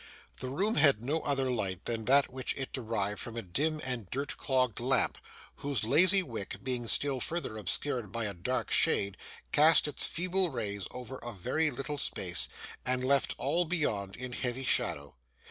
The room had no other light than that which it derived from a dim and dirt clogged lamp, whose lazy wick, being still further obscured by a dark shade, cast its feeble rays over a very little space, and left all beyond in heavy shadow.